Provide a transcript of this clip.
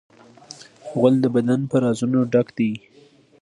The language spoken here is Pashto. غول د بدن په رازونو ډک دی.